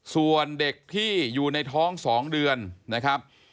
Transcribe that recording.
ส่วนเด็กที่อยู่ในท้อง๒เดือนนะครับ